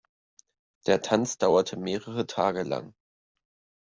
Der Tanz dauerte mehrere Tage lang.